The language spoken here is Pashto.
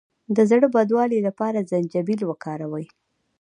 د زړه بدوالي لپاره زنجبیل وکاروئ